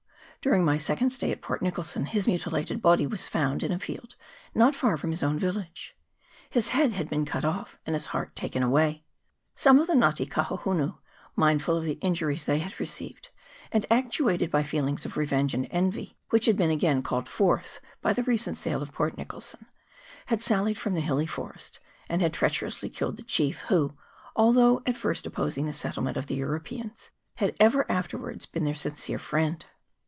During my se cond stay at Port Nicholson his mutilated body was found in a field not far from his own village ; his head had been cut off and his heart taken away. Some of the Nga te Kahohunu, mindful of the in juries they had received, and actuated by feelings of revenge and envy, which had been again called forth by the recent sale of Port Nicholson, had sallied from the hilly forest, and had treacherously killed the chief, who, although at first opposing the settle ment of the Europeans, had ever afterwards been their sincere friend.